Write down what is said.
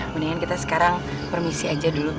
mendingan kita sekarang permisi aja dulu